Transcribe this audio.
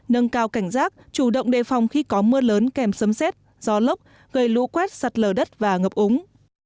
nâng cao cảnh giác chủ động đề phòng khi có mưa lớn kèm sấm xét gió lốc gây lũ quét sạt lở đất và ngập úng